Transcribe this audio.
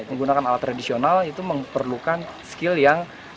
menggunakan alat tradisional itu memerlukan skill yang